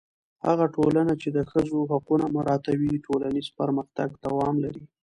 هغه ټولنه چې د ښځو حقونه مراعتوي، ټولنیز پرمختګ دوام لري.